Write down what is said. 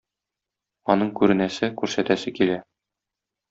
Аның күренәсе, күрсәтәсе килә.